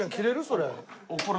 それ。